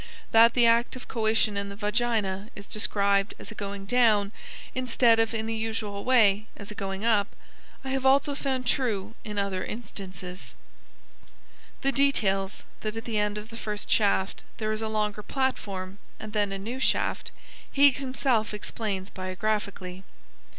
That the act of coition in the vagina is described as a going down instead of in the usual way as a going up, I have also found true in other instances. The details that at the end of the first shaft there is a longer platform and then a new shaft, he himself explains biographically.